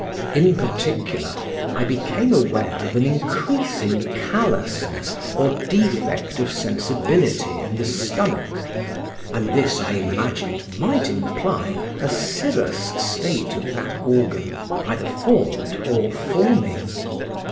In particular I became aware of an increasing callousness or defect of sensibility in the stomach, and this I imagined might imply a scirrhous state of that organ, either formed or forming.